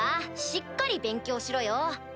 しっかり勉強しろよ。